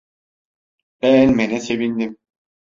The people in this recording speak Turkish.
Beğenmene sevindim.